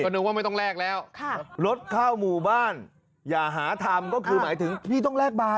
รถเข้าหมู่บ้านอย่าหาธรรมก็คือหมายถึงพี่ต้องแลกบัตร